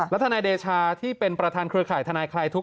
และทนายเดชาที่เป็นประธานเครือข่ายทนายคลายทุกข